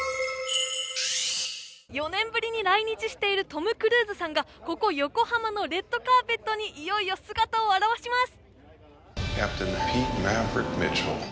４年ぶりに来日しているトム・クルーズさんが、ここ横浜のレッドカーペットにいよいよ姿を現します。